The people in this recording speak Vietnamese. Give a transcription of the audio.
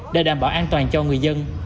để đảm bảo an toàn cho người dân